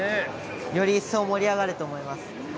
より一層盛り上がると思います。